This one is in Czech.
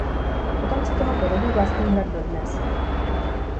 Potomci tohoto rodu vlastní hrad dodnes.